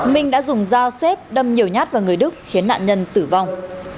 minh đã dùng dao xếp đâm nhiều nhát vào người đức khiến nạn nhân tử vong